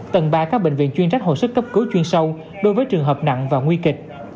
tầng ba các bệnh viện chuyên trách hồ sức cấp cứu chuyên sâu đối với trường hợp nặng và nguy kịch